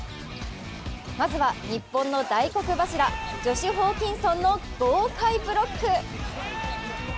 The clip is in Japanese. まずは日本の大黒柱、ジョシュ・ホーキンソンの豪快ブロック。